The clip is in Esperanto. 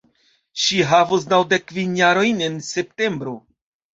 Ŝi havos naŭdek kvin jarojn en septembro.